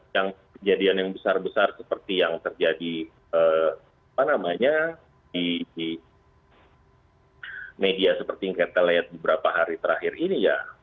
yang kejadian yang besar besar seperti yang terjadi di media seperti yang kita lihat beberapa hari terakhir ini ya